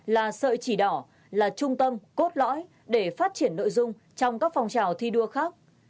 là sợi chỉ đỏ là trung tâm cốt lõi để phát triển nội dung trong các phong trào thi đua khác